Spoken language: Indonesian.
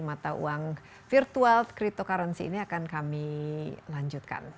mata uang virtual cryptocurrency ini akan kami lanjutkan